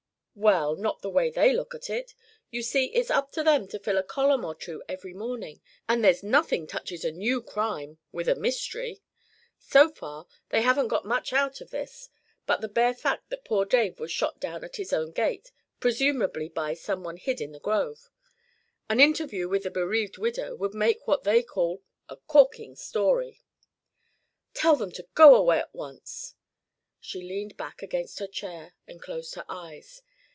"Well, not the way they look at it. You see, it's up to them to fill a column or two every morning, and there's nothing touches a new crime with a mystery. So far, they haven't got much out of this but the bare fact that poor Dave was shot down at his own gate, presumably by some one hid in the grove. An interview with the bereaved widow would make what they call a corking story." "Tell them to go away at once." She leaned back against her chair and closed her eyes.